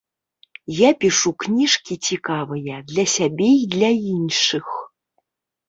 Я пішу кніжкі цікавыя для сябе і для іншых.